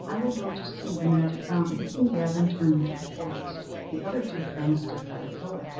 I will go to see the Magic Fountain," and Gavin turned into the forest. The other two friends stood by the pillar.